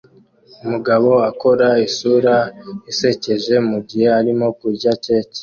Umugabo akora isura isekeje mugihe arimo kurya keke